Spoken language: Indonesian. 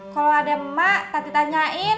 kalo ada emak tati tanyain